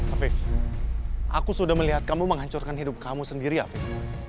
afiq aku sudah melihat kamu menghancurkan hidup kamu sendiri afiq